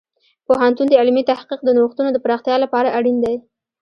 پوهنتون د علمي تحقیق د نوښتونو د پراختیا لپاره اړین دی.